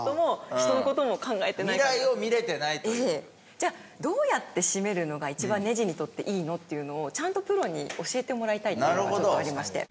じゃあどうやって締めるのが一番ネジにとっていいの？っていうのをちゃんとプロに教えてもらいたいっていうのがちょっとありまして。